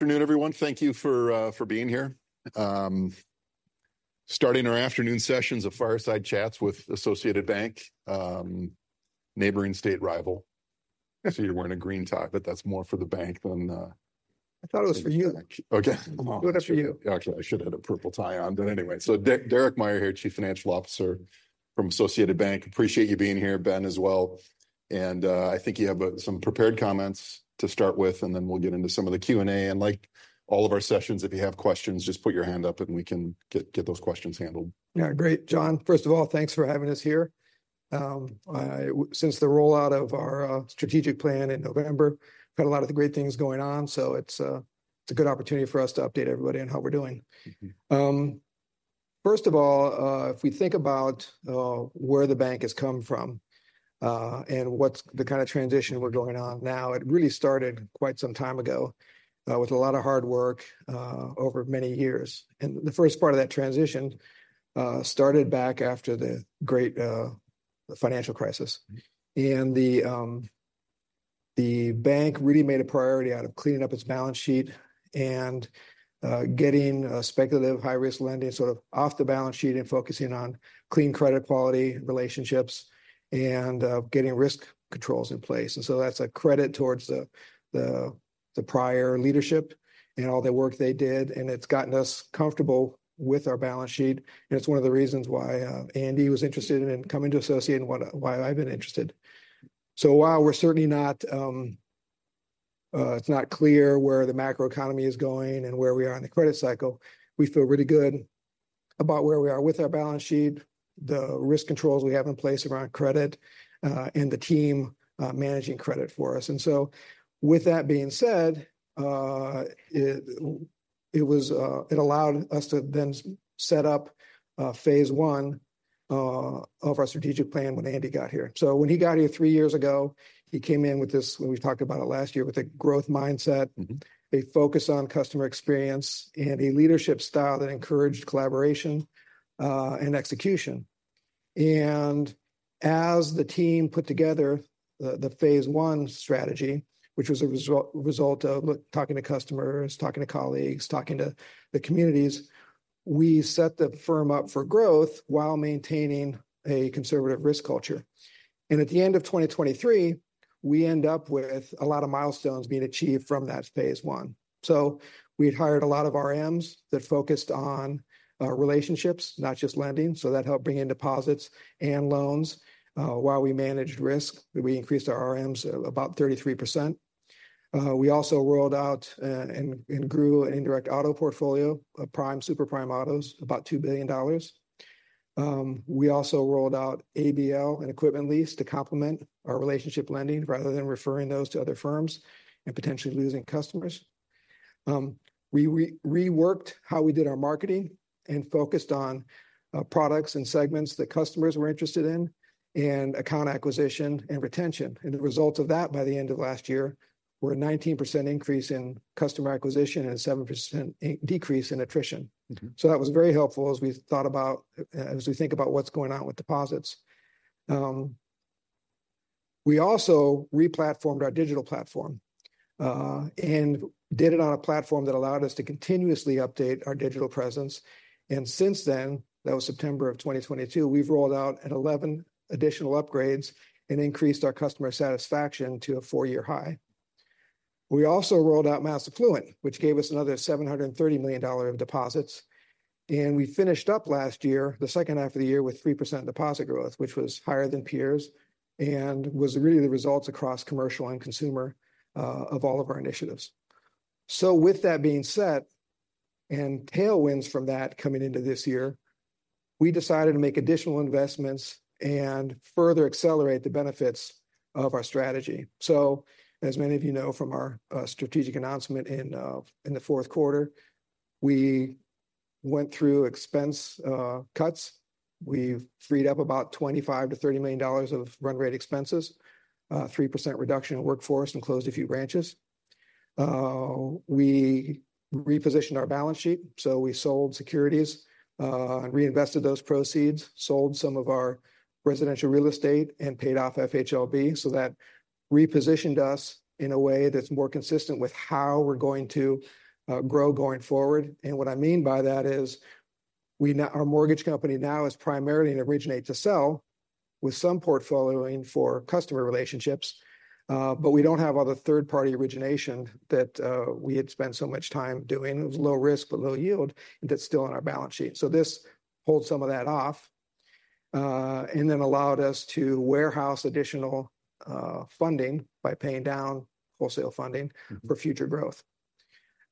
Afternoon, everyone. Thank you for being here. Starting our afternoon sessions of fireside chats with Associated Bank, neighboring state rival. I see you're wearing a green tie, but that's more for the bank than, I thought it was for you. Okay. Doing it for you. Okay. I should have had a purple tie on, but anyway. So Derek Meyer here, Chief Financial Officer from Associated Bank. Appreciate you being here, Ben, as well. And I think you have some prepared comments to start with, and then we'll get into some of the Q&A. And like all of our sessions, if you have questions, just put your hand up and we can get those questions handled. Yeah. Great. Jon, first of all, thanks for having us here. Since the rollout of our strategic plan in November, we've had a lot of the great things going on. So it's a good opportunity for us to update everybody on how we're doing. First of all, if we think about where the bank has come from, and what's the kind of transition we're going on now, it really started quite some time ago, with a lot of hard work over many years. And the first part of that transition started back after the Great Financial Crisis. And the bank really made a priority out of cleaning up its balance sheet and getting speculative high-risk lending sort of off the balance sheet and focusing on clean credit quality relationships and getting risk controls in place. So that's a credit towards the prior leadership and all the work they did. It's gotten us comfortable with our balance sheet. It's one of the reasons why Andy was interested in coming to Associated and why I've been interested. So while we're certainly not, it's not clear where the macroeconomy is going and where we are in the credit cycle, we feel really good about where we are with our balance sheet, the risk controls we have in place around credit, and the team managing credit for us. With that being said, it was, it allowed us to then set up phase one of our strategic plan when Andy got here. So when he got here three years ago, he came in with this when we talked about it last year with a growth mindset. Mm-hmm. A focus on customer experience and a leadership style that encouraged collaboration and execution. As the team put together the phase one strategy, which was a result of talking to customers, talking to colleagues, talking to the communities, we set the firm up for growth while maintaining a conservative risk culture. At the end of 2023, we end up with a lot of milestones being achieved from that phase one. We had hired a lot of RMs that focused on relationships, not just lending. That helped bring in deposits and loans, while we managed risk. We increased our RMs about 33%. We also rolled out and grew an indirect auto portfolio, a prime, super prime autos, about $2 billion. We also rolled out ABL and equipment lease to complement our relationship lending rather than referring those to other firms and potentially losing customers. We reworked how we did our marketing and focused on products and segments that customers were interested in and account acquisition and retention. And the results of that, by the end of last year, were a 19% increase in customer acquisition and a 7% decrease in attrition. Mm-hmm. So that was very helpful as we thought about as we think about what's going on with deposits. We also replatformed our digital platform, and did it on a platform that allowed us to continuously update our digital presence. And since then, that was September of 2022, we've rolled out 11 additional upgrades and increased our customer satisfaction to a four-year high. We also rolled out mass affluent, which gave us another $730 million of deposits. And we finished up last year, the second half of the year, with 3% deposit growth, which was higher than peers and was really the results across commercial and consumer, of all of our initiatives. So with that being said and tailwinds from that coming into this year, we decided to make additional investments and further accelerate the benefits of our strategy. So as many of you know from our strategic announcement in the fourth quarter, we went through expense cuts. We freed up about $25 million-$30 million of run rate expenses, 3% reduction in workforce and closed a few branches. We repositioned our balance sheet. So we sold securities, and reinvested those proceeds, sold some of our residential real estate, and paid off FHLB. So that repositioned us in a way that's more consistent with how we're going to grow going forward. And what I mean by that is we now our mortgage company now is primarily an originate to sell with some portfolioing for customer relationships. But we don't have all the third-party origination that we had spent so much time doing. It was low risk but low yield and that's still on our balance sheet. So this holds some of that off, and then allowed us to warehouse additional funding by paying down wholesale funding. Mm-hmm. For future growth.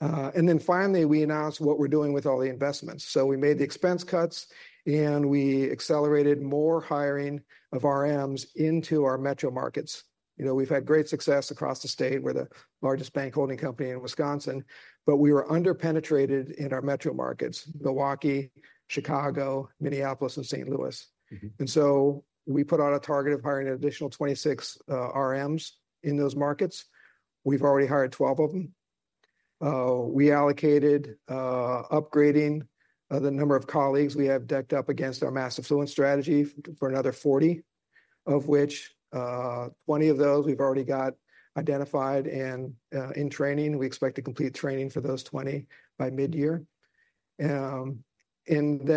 And then finally, we announced what we're doing with all the investments. So we made the expense cuts and we accelerated more hiring of RMs into our metro markets. You know, we've had great success across the state. We're the largest bank holding company in Wisconsin, but we were underpenetrated in our metro markets: Milwaukee, Chicago, Minneapolis, and St. Louis. Mm-hmm. So we put out a target of hiring an additional 26 RMs in those markets. We've already hired 12 of them. We allocated upgrading the number of colleagues we have dedicated to our mass affluent strategy for another 40, of which 20 of those we've already got identified and in training. We expect to complete training for those 20 by mid-year. Then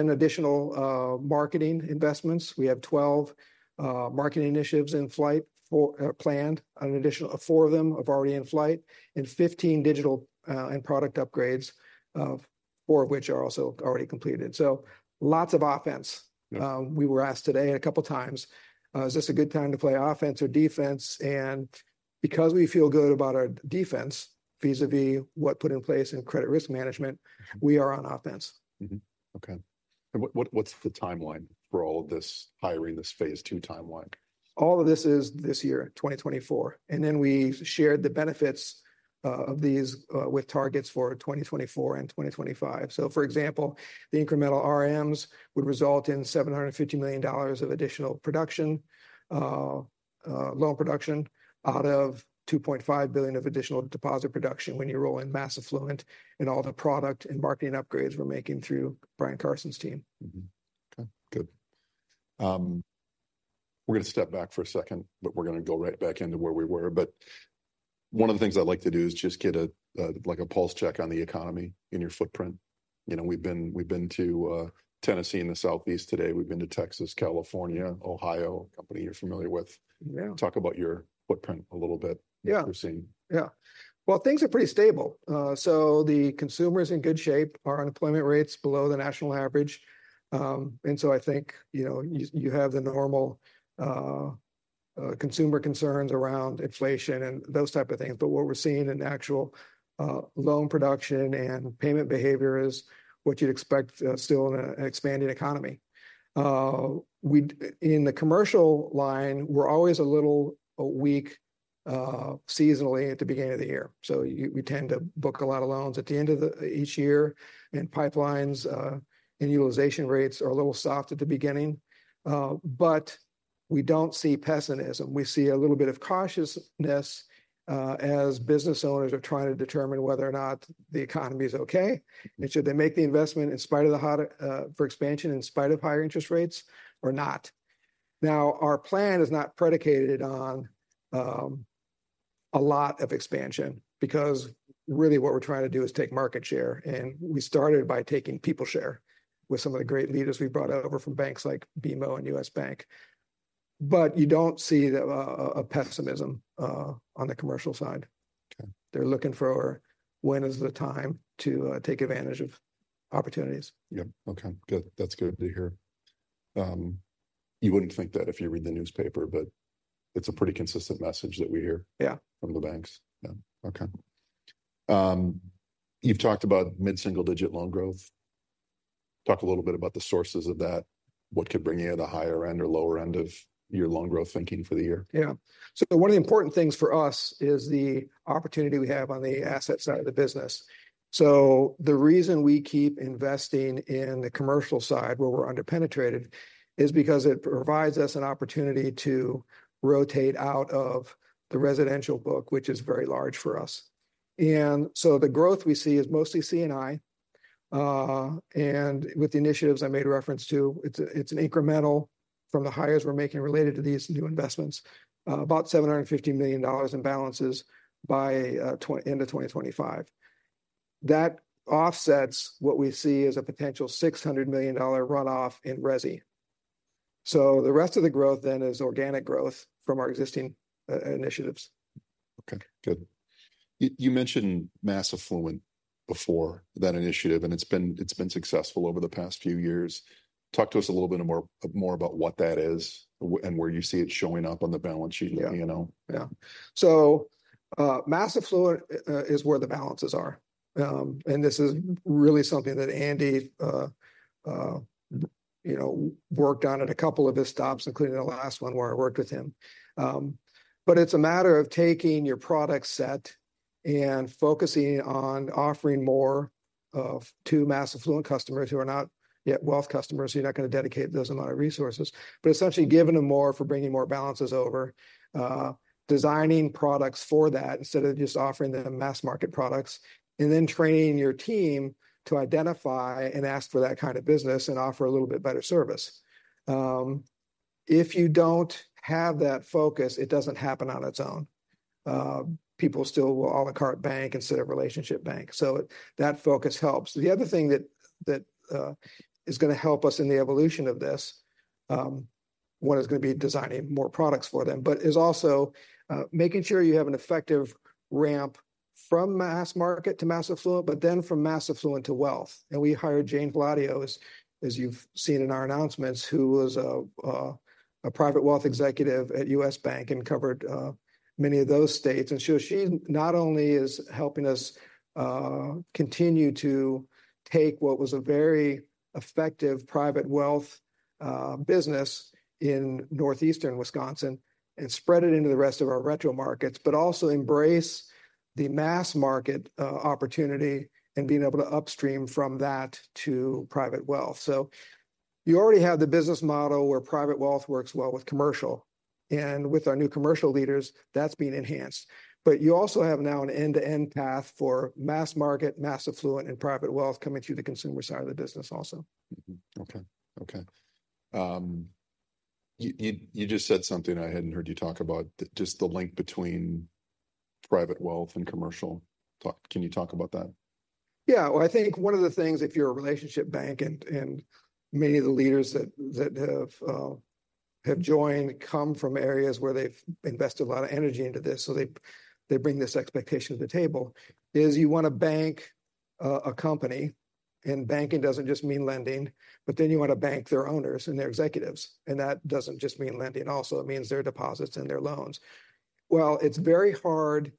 additional marketing investments. We have 12 marketing initiatives in flight or planned, an additional four of them have already in flight, and 15 digital and product upgrades, four of which are also already completed. So lots of offense. Yeah. We were asked today a couple of times, is this a good time to play offense or defense? Because we feel good about our defense vis-à-vis what we put in place in credit risk management, we are on offense. Mm-hmm. Okay. And what's the timeline for all of this hiring, this phase two timeline? All of this is this year, 2024. Then we shared the benefits of these with targets for 2024 and 2025. For example, the incremental RMs would result in $750 million of additional production, loan production out of $2.5 billion of additional deposit production when you roll in mass affluent and all the product and marketing upgrades we're making through Bryan Carson's team. Mm-hmm. Okay. Good. We're gonna step back for a second, but we're gonna go right back into where we were. But one of the things I like to do is just get a, like a pulse check on the economy in your footprint. You know, we've been to Tennessee in the Southeast today. We've been to Texas, California, Ohio, a company you're familiar with. Yeah. Talk about your footprint a little bit. Yeah. What we're seeing. Yeah. Well, things are pretty stable. So the consumer's in good shape. Our unemployment rate's below the national average. And so I think, you know, you have the normal, consumer concerns around inflation and those type of things. But what we're seeing in actual, loan production and payment behavior is what you'd expect, still in an expanding economy. We in the commercial line, we're always a little weak, seasonally at the beginning of the year. So we tend to book a lot of loans at the end of each year, and pipelines, and utilization rates are a little soft at the beginning. But we don't see pessimism. We see a little bit of cautiousness, as business owners are trying to determine whether or not the economy's okay. And should they make the investment in spite of the hotter for expansion in spite of higher interest rates or not? Now, our plan is not predicated on a lot of expansion because really what we're trying to do is take market share. And we started by taking people share with some of the great leaders we brought over from banks like BMO and U.S. Bank. But you don't see the pessimism on the commercial side. Okay. They're looking for when is the time to take advantage of opportunities. Yep. Okay. Good. That's good to hear. You wouldn't think that if you read the newspaper, but it's a pretty consistent message that we hear. Yeah. From the banks. Yeah. Okay. You've talked about mid-single-digit loan growth. Talk a little bit about the sources of that, what could bring you to the higher end or lower end of your loan growth thinking for the year. Yeah. So one of the important things for us is the opportunity we have on the asset side of the business. So the reason we keep investing in the commercial side where we're underpenetrated is because it provides us an opportunity to rotate out of the residential book, which is very large for us. And so the growth we see is mostly C&I. And with the initiatives I made reference to, it's an incremental from the hires we're making related to these new investments, about $750 million in balances by end of 2025. That offsets what we see as a potential $600 million runoff in resi. So the rest of the growth then is organic growth from our existing initiatives. Okay. Good. You mentioned mass affluent before, that initiative, and it's been successful over the past few years. Talk to us a little bit more about what that is and where you see it showing up on the balance sheet. Yeah. You know. Yeah. So, mass affluent is where the balances are. And this is really something that Andy, you know, worked on at a couple of his stops, including the last one where I worked with him. But it's a matter of taking your product set and focusing on offering more of to mass affluent customers who are not yet wealth customers. You're not gonna dedicate those amount of resources, but essentially giving them more for bringing more balances over, designing products for that instead of just offering them mass market products, and then training your team to identify and ask for that kind of business and offer a little bit better service. If you don't have that focus, it doesn't happen on its own. People still will a la carte bank instead of relationship bank. So that focus helps. The other thing that is gonna help us in the evolution of this, one is gonna be designing more products for them, but is also, making sure you have an effective ramp from mass market to mass affluent, but then from mass affluent to wealth. And we hired Jayne Hladio, as you've seen in our announcements, who was a private wealth executive at U.S. Bank and covered many of those states. And so she not only is helping us continue to take what was a very effective private wealth business in northeastern Wisconsin and spread it into the rest of our footprint markets, but also embrace the mass market opportunity and being able to upstream from that to private wealth. So you already have the business model where private wealth works well with commercial. And with our new commercial leaders, that's being enhanced. But you also have now an end-to-end path for mass market, mass affluent, and private wealth coming through the consumer side of the business also. Mm-hmm. Okay. Okay. You just said something I hadn't heard you talk about, just the link between private wealth and commercial. Can you talk about that? Yeah. Well, I think one of the things, if you're a relationship bank and many of the leaders that have joined come from areas where they've invested a lot of energy into this, so they bring this expectation to the table, is you wanna bank a company. And banking doesn't just mean lending, but then you wanna bank their owners and their executives. And that doesn't just mean lending also. It means their deposits and their loans. Well, it's very hard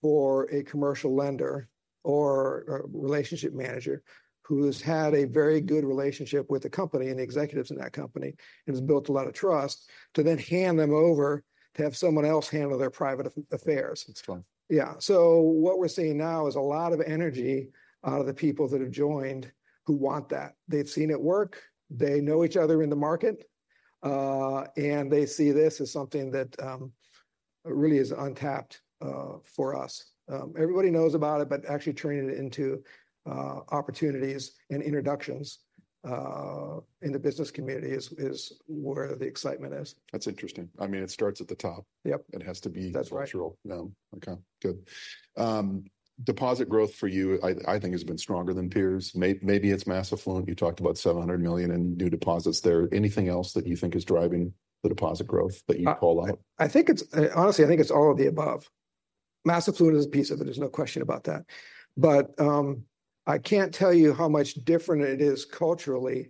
for a commercial lender or a relationship manager who's had a very good relationship with the company and the executives in that company and has built a lot of trust to then hand them over to have someone else handle their private affairs. That's fun. Yeah. So what we're seeing now is a lot of energy out of the people that have joined who want that. They've seen it work. They know each other in the market, and they see this as something that really is untapped for us. Everybody knows about it, but actually turning it into opportunities and introductions in the business community is where the excitement is. That's interesting. I mean, it starts at the top. Yep. It has to be cultural. That's right. Yeah. Okay. Good. Deposit growth for you, I think, has been stronger than peers. Maybe it's mass affluent. You talked about $700 million in new deposits there. Anything else that you think is driving the deposit growth that you call out? I think it's honestly, I think it's all of the above. Mass affluent is a piece of it. There's no question about that. But, I can't tell you how much different it is culturally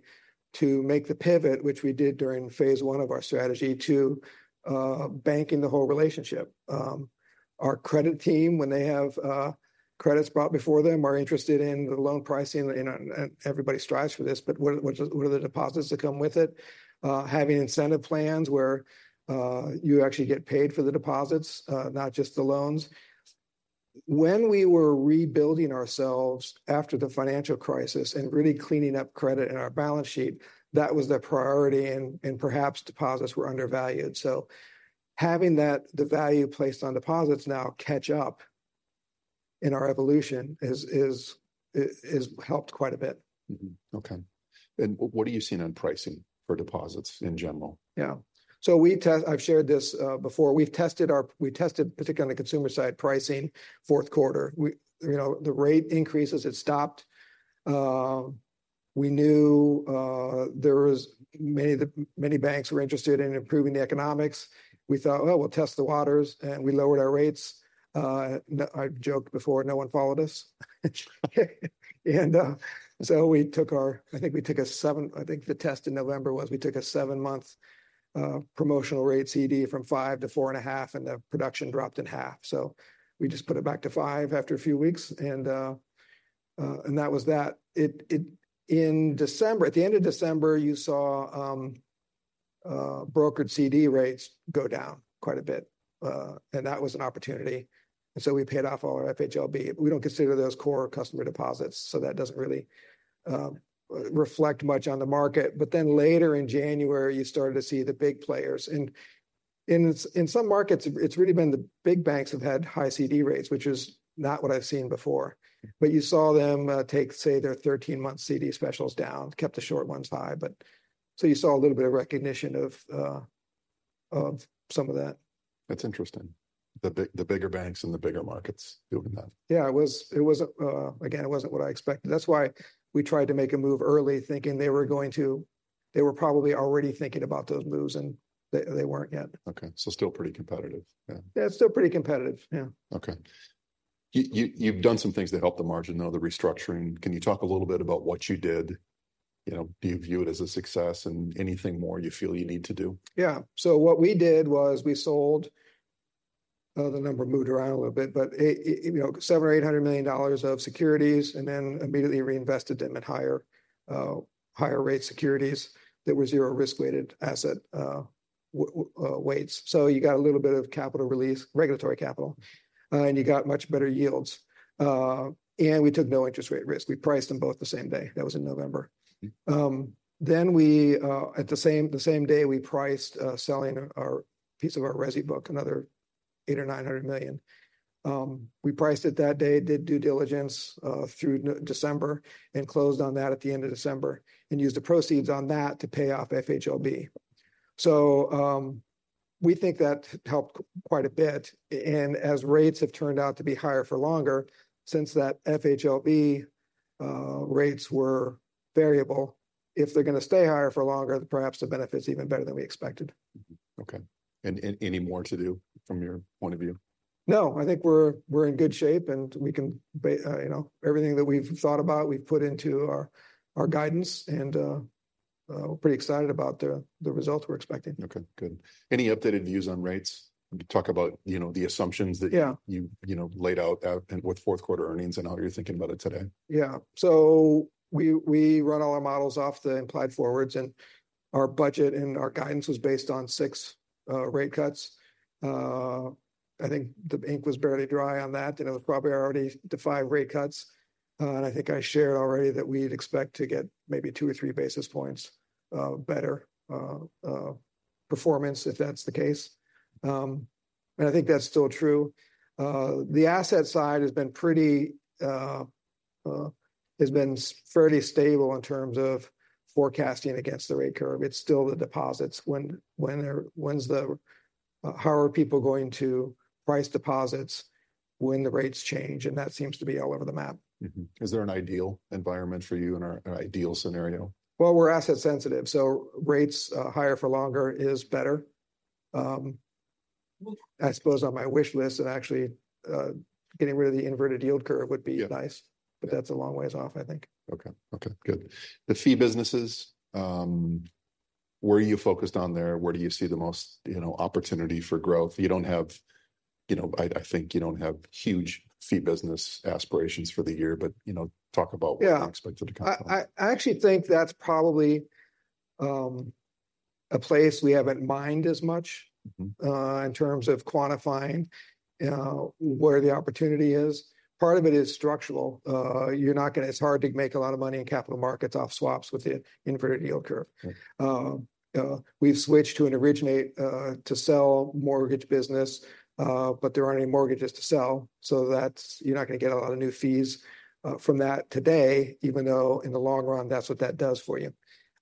to make the pivot, which we did during phase one of our strategy, to banking the whole relationship. Our credit team, when they have credits brought before them, are interested in the loan pricing. You know, everybody strives for this, but what are the deposits that come with it? Having incentive plans where you actually get paid for the deposits, not just the loans. When we were rebuilding ourselves after the financial crisis and really cleaning up credit in our balance sheet, that was the priority, and perhaps deposits were undervalued. So having that the value placed on deposits now catch up in our evolution is helped quite a bit. Mm-hmm. Okay. And what are you seeing on pricing for deposits in general? Yeah. So we've tested. I've shared this before. We've tested our – we tested, particularly on the consumer side, pricing fourth quarter. We, you know, the rate increases, it stopped. We knew there were many banks interested in improving the economics. We thought, well, we'll test the waters, and we lowered our rates. I joked before, no one followed us. And so we took our – I think we took a seven – I think the test in November was we took a seven-month promotional rate CD from 5 to 4.5, and the production dropped in half. So we just put it back to five after a few weeks. And that was that. It – in December, at the end of December, you saw brokered CD rates go down quite a bit, and that was an opportunity. And so we paid off all our FHLB. We don't consider those core customer deposits, so that doesn't really reflect much on the market. But then later in January, you started to see the big players. And in some markets, it's really been the big banks have had high CD rates, which is not what I've seen before. But you saw them take, say, their 13-month CD specials down, kept the short ones high. But so you saw a little bit of recognition of some of that. That's interesting. The bigger banks and the bigger markets doing that. Yeah. It was, it wasn't, again, it wasn't what I expected. That's why we tried to make a move early, thinking they were going to, they were probably already thinking about those moves, and they, they weren't yet. Okay. So still pretty competitive. Yeah. Yeah. It's still pretty competitive. Yeah. Okay. You've done some things to help the margin, though, the restructuring. Can you talk a little bit about what you did? You know, do you view it as a success and anything more you feel you need to do? Yeah. So what we did was we sold—the number moved around a little bit, but it, you know, $700 million or $800 million of securities and then immediately reinvested them in higher rate securities that were zero risk-weighted asset weights. So you got a little bit of capital release, regulatory capital, and you got much better yields. And we took no interest rate risk. We priced them both the same day. That was in November. Then we, on the same day, priced selling our piece of our resi book, another $800 million or $900 million. We priced it that day, did due diligence through December, and closed on that at the end of December and used the proceeds on that to pay off FHLB. So, we think that helped quite a bit. As rates have turned out to be higher for longer, since that FHLB rates were variable, if they're gonna stay higher for longer, perhaps the benefit's even better than we expected. Okay. And any more to do from your point of view? No. I think we're in good shape, and we can, you know, everything that we've thought about, we've put into our guidance, and pretty excited about the results we're expecting. Okay. Good. Any updated views on rates? Talk about, you know, the assumptions that you. Yeah. You, you know, laid out and with fourth quarter earnings and how you're thinking about it today. Yeah. So we run all our models off the implied forwards, and our budget and our guidance was based on six rate cuts. I think the ink was barely dry on that, and it was probably already to five rate cuts. And I think I shared already that we'd expect to get maybe 2 or 3 basis points better performance if that's the case. And I think that's still true. The asset side has been fairly stable in terms of forecasting against the rate curve. It's still the deposits. When they're, when's the how are people going to price deposits when the rates change? And that seems to be all over the map. Mm-hmm. Is there an ideal environment for you in an ideal scenario? Well, we're asset sensitive, so rates higher for longer is better. I suppose on my wish list, it actually getting rid of the inverted yield curve would be nice. Yeah. That's a long ways off, I think. Okay. Okay. Good. The fee businesses, where are you focused on there? Where do you see the most, you know, opportunity for growth? You don't have, you know, I think you don't have huge fee business aspirations for the year, but, you know, talk about what you expect it to come from. Yeah. I actually think that's probably a place we haven't mined as much. Mm-hmm. In terms of quantifying, where the opportunity is. Part of it is structural. You're not gonna, it's hard to make a lot of money in capital markets off swaps with the inverted yield curve. Right. We've switched to an originate-to-sell mortgage business, but there aren't any mortgages to sell, so that's you're not gonna get a lot of new fees from that today, even though in the long run, that's what that does for you.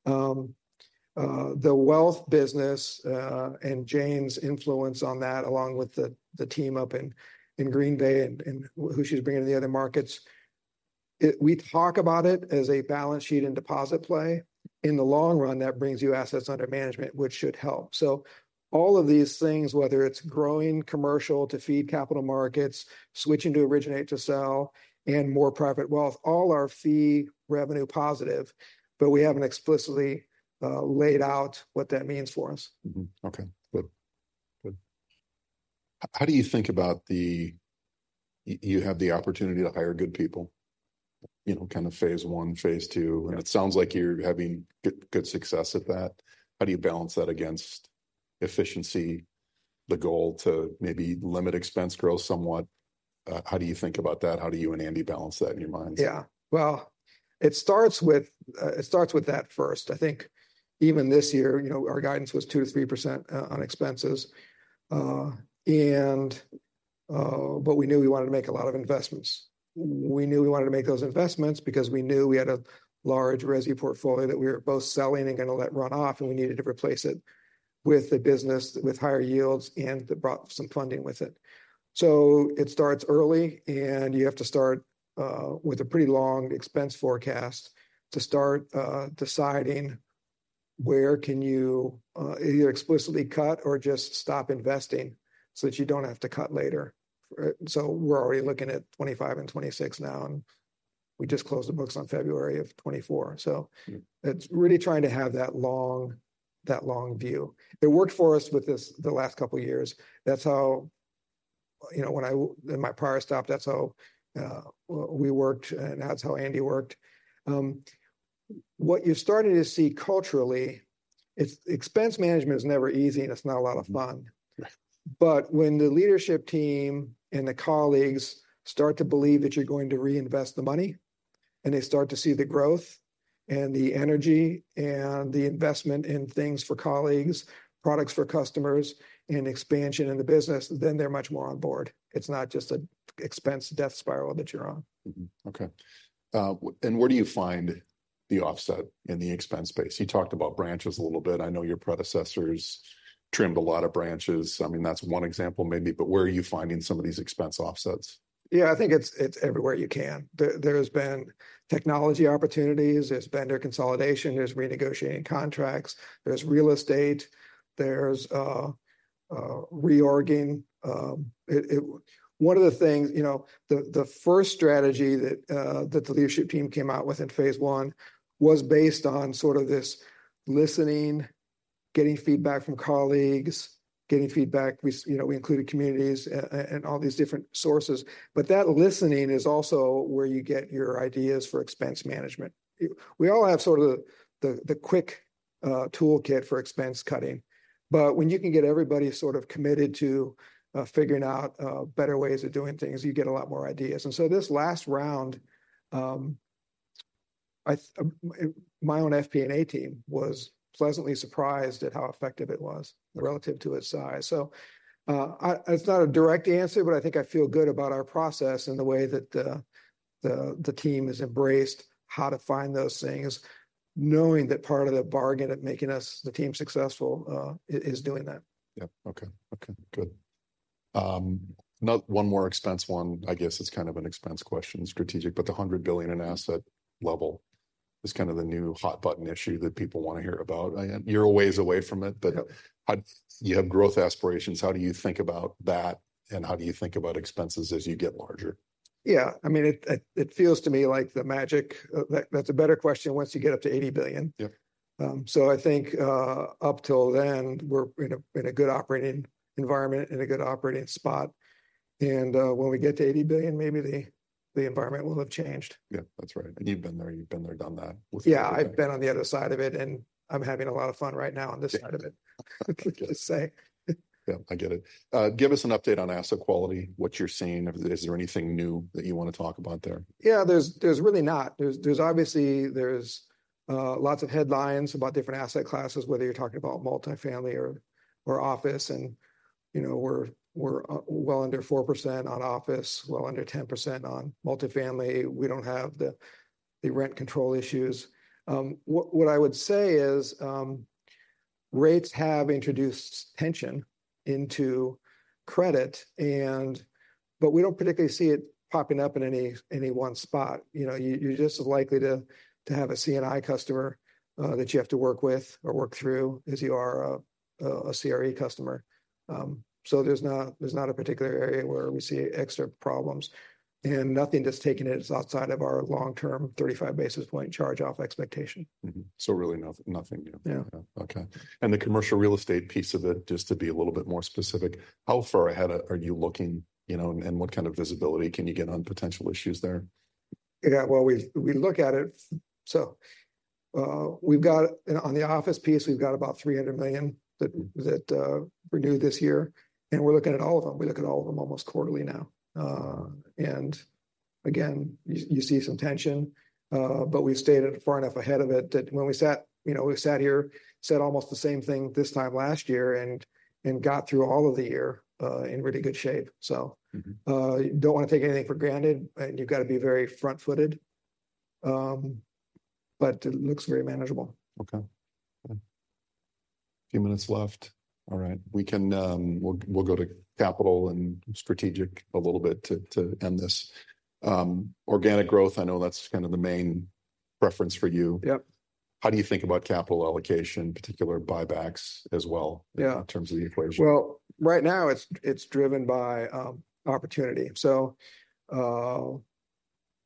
The wealth business, and Jayne's influence on that, along with the team up in Green Bay and who she's bringing to the other markets, it we talk about it as a balance sheet and deposit play. In the long run, that brings you assets under management, which should help. So all of these things, whether it's growing commercial to feed capital markets, switching to originate-to-sell, and more private wealth, all are fee revenue positive, but we haven't explicitly laid out what that means for us. Mm-hmm. Okay. Good. Good. How do you think about the you have the opportunity to hire good people, you know, kind of phase one, phase two. Yeah. It sounds like you're having good success at that. How do you balance that against efficiency, the goal to maybe limit expense growth somewhat? How do you think about that? How do you and Andy balance that in your minds? Yeah. Well, it starts with that first. I think even this year, you know, our guidance was 2%-3% on expenses, but we knew we wanted to make a lot of investments. We knew we wanted to make those investments because we knew we had a large resi portfolio that we were both selling and gonna let run off, and we needed to replace it with the business with higher yields and that brought some funding with it. So it starts early, and you have to start with a pretty long expense forecast to start deciding where can you either explicitly cut or just stop investing so that you don't have to cut later. So we're already looking at 2025 and 2026 now, and we just closed the books on February of 2024. So it's really trying to have that long view. It worked for us with this the last couple years. That's how, you know, when I in my prior stop, that's how we worked, and that's how Andy worked. What you started to see culturally, it's expense management is never easy, and it's not a lot of fun. Right. But when the leadership team and the colleagues start to believe that you're going to reinvest the money, and they start to see the growth and the energy and the investment in things for colleagues, products for customers, and expansion in the business, then they're much more on board. It's not just an expense death spiral that you're on. Mm-hmm. Okay. And where do you find the offset in the expense space? You talked about branches a little bit. I know your predecessors trimmed a lot of branches. I mean, that's one example maybe, but where are you finding some of these expense offsets? Yeah. I think it's everywhere you can. There's been technology opportunities. There's vendor consolidation. There's renegotiating contracts. There's real estate. There's reorging. It one of the things, you know, the first strategy that the leadership team came out with in phase one was based on sort of this listening, getting feedback from colleagues, getting feedback. We, you know, we included communities and all these different sources. But that listening is also where you get your ideas for expense management. We all have sort of the quick toolkit for expense cutting, but when you can get everybody sort of committed to figuring out better ways of doing things, you get a lot more ideas. And so this last round, my own FP&A team was pleasantly surprised at how effective it was relative to its size. So, it's not a direct answer, but I think I feel good about our process and the way that the team has embraced how to find those things, knowing that part of the bargain at making us the team successful is doing that. Yeah. Okay. Okay. Good. Another one more expense one, I guess it's kind of an expense question, strategic, but the $100 billion in asset level is kind of the new hot button issue that people wanna hear about. You're a ways away from it, but. Yeah. How do you have growth aspirations? How do you think about that, and how do you think about expenses as you get larger? Yeah. I mean, it feels to me like the magic that that's a better question once you get up to $80 billion. Yep. So I think, up till then, we're in a good operating environment, in a good operating spot. And, when we get to $80 billion, maybe the environment will have changed. Yeah. That's right. And you've been there. You've been there, done that with. Yeah. I've been on the other side of it, and I'm having a lot of fun right now on this side of it, just saying. Yeah. I get it. Give us an update on asset quality, what you're seeing. Is there anything new that you wanna talk about there? Yeah. There's really not. There's obviously lots of headlines about different asset classes, whether you're talking about multifamily or office. And, you know, we're well under 4% on office, well under 10% on multifamily. We don't have the rent control issues. What I would say is, rates have introduced tension into credit, and but we don't particularly see it popping up in any one spot. You know, you're just as likely to have a C&I customer, that you have to work with or work through as you are a CRE customer. So there's not a particular area where we see extra problems, and nothing that's taken it is outside of our long-term 35 basis point charge-off expectation. Mm-hmm. So really nothing new. Yeah. Yeah. Okay. And the commercial real estate piece of it, just to be a little bit more specific, how far ahead are you looking, you know, and what kind of visibility can you get on potential issues there? Yeah. Well, we look at it so, we've got and on the office piece, we've got about $300 million that renewed this year, and we're looking at all of them. We look at all of them almost quarterly now. And again, you see some tension, but we've stayed far enough ahead of it that when we sat, you know, we sat here, said almost the same thing this time last year, and got through all of the year, in really good shape. So. Mm-hmm. Don't wanna take anything for granted, and you've gotta be very front-footed, but it looks very manageable. Okay. Good. A few minutes left. All right. We can. We'll go to capital and strategic a little bit to end this. Organic growth, I know that's kind of the main preference for you. Yep. How do you think about capital allocation, particularly buybacks as well? Yeah. In terms of the equation? Well, right now, it's driven by opportunity. So,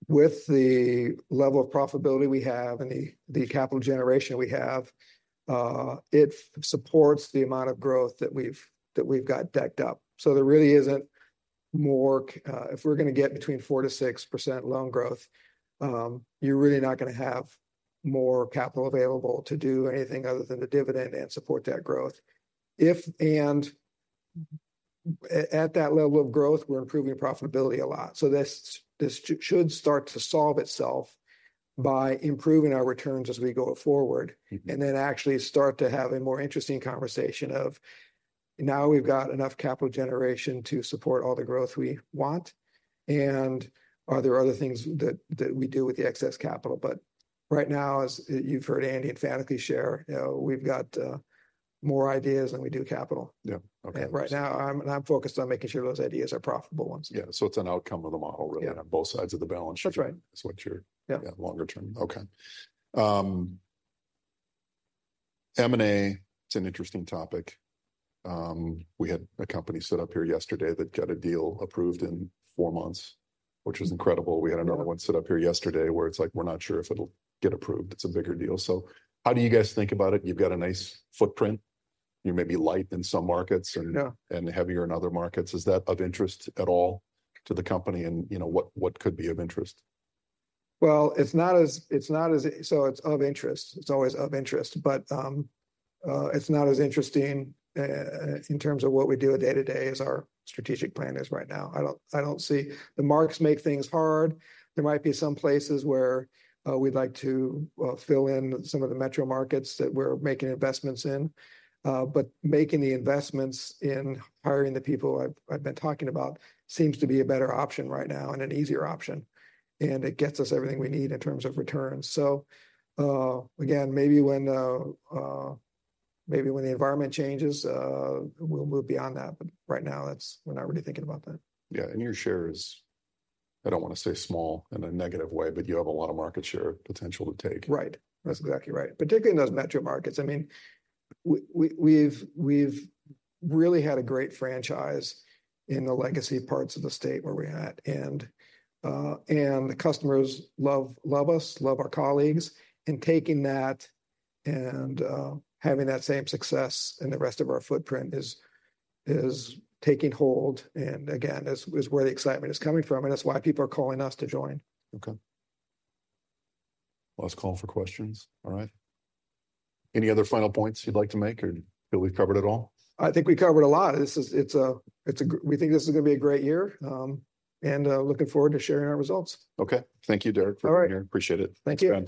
with the level of profitability we have and the capital generation we have, it supports the amount of growth that we've got decked up. So there really isn't more if we're gonna get between 4%-6% loan growth, you're really not gonna have more capital available to do anything other than the dividend and support that growth. And at that level of growth, we're improving profitability a lot. So this should start to solve itself by improving our returns as we go forward. Mm-hmm. And then actually start to have a more interesting conversation of now we've got enough capital generation to support all the growth we want, and are there other things that we do with the excess capital? But right now, as you've heard Andy emphatically share, you know, we've got more ideas than we do capital. Yeah. Okay. Right now, I'm focused on making sure those ideas are profitable ones. Yeah. So it's an outcome of the model, really, on both sides of the balance sheet. That's right. Is what you're. Yeah. Yeah, longer term. Okay. M&A, it's an interesting topic. We had a company set up here yesterday that got a deal approved in four months, which was incredible. We had another one set up here yesterday where it's like, we're not sure if it'll get approved. It's a bigger deal. So how do you guys think about it? You've got a nice footprint. You may be light in some markets. Yeah. And heavier in other markets. Is that of interest at all to the company? You know, what could be of interest? Well, it's of interest. It's always of interest, but it's not as interesting in terms of what we do day-to-day as our strategic plan is right now. I don't see M&A make things hard. There might be some places where we'd like to fill in some of the metro markets that we're making investments in, but making the investments in hiring the people I've been talking about seems to be a better option right now and an easier option, and it gets us everything we need in terms of returns. So, again, maybe when the environment changes, we'll move beyond that. But right now, that's, we're not really thinking about that. Yeah. Your share is, I don't wanna say small in a negative way, but you have a lot of market share potential to take. Right. That's exactly right. Particularly in those metro markets. I mean, we've really had a great franchise in the legacy parts of the state where we're at, and the customers love us, love our colleagues, and taking that and having that same success in the rest of our footprint is taking hold. And again, is where the excitement is coming from, and that's why people are calling us to join. Okay. Last call for questions. All right. Any other final points you'd like to make, or feel we've covered it all? I think we covered a lot. This is, we think this is gonna be a great year, and looking forward to sharing our results. Okay. Thank you, Derek, for being here. All right. Appreciate it. Thank you.